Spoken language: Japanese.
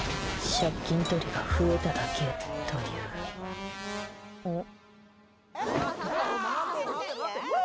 借金取りが増えただけというん？